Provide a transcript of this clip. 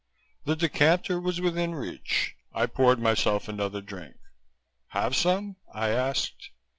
The decanter was within reach. I poured myself another drink. "Have some?" I asked.